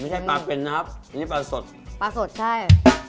ไม่ใช่ปลาเป็นนะครับอันนี้ปลาสดปลาสดใช่